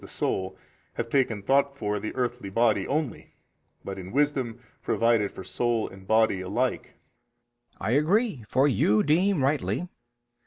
the soul, have taken thought for |252 the earthy body only, but in wisdom provided for soul and body alike 9. B. I agree, for you deem rightly.